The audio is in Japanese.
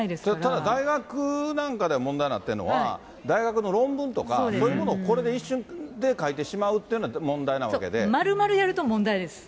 ただ、大学なんかでは問題になってるのは、大学の論文とか、そういうものをこれで一瞬で書いてしまうっていうのは問題なわけ丸々やると問題です。